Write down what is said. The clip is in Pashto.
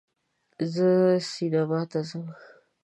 زه سینما ته ځم